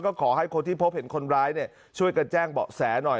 ก็ขอให้คนที่พบเห็นคนร้ายช่วยกันแจ้งเบาะแสหน่อย